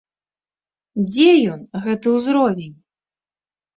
Дзе ён, гэты ўзровень?